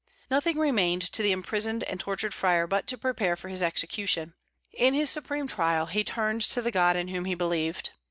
Nothing remained to the imprisoned and tortured friar but to prepare for his execution. In his supreme trial he turned to the God in whom he believed.